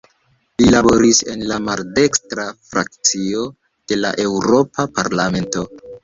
Li laboris en la maldekstra frakcio de la Eŭropa Parlamento.